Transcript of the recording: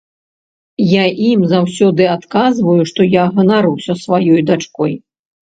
Я ім заўсёды адказваю, што я ганаруся сваёй дачкой.